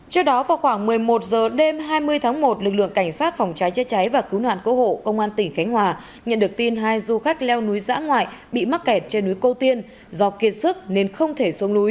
trước đó vào khoảng một mươi một h đêm hai mươi tháng một lực lượng cảnh sát phòng cháy chế cháy và cứu nạn cứu hộ công an tỉnh khánh hòa nhận được tin hai du khách leo núi dã ngoại bị mắc kẹt trên núi cô tiên do kiên sức nên không thể xuống núi